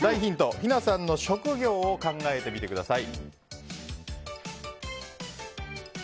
ヒナさんの職業を考えてみてください。